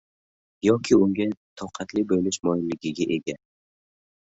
yoki unga toqatli bo‘lish moyilligiga ega